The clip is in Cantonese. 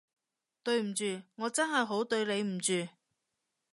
對唔住，我真係好對你唔住